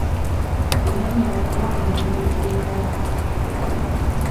Era nga bano bakuumibwa e Kireka.